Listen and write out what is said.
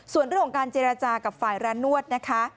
ส่วนเรื่องของการเจรจากับฝ่ายร้านนวดนะคะ